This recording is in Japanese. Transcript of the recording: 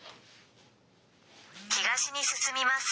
東に進みます。